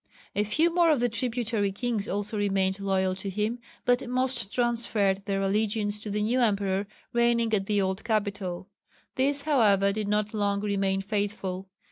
A few more of the tributary kings also remained loyal to him, but most transferred their allegiance to the new emperor reigning at the old capital. These, however, did not long remain faithful.